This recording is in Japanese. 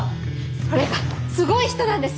それがすごい人なんですよ！